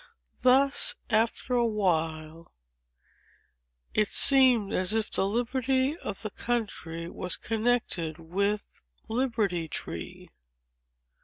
Thus, after a while, it seemed as if the liberty of the country was connected with Liberty Tree."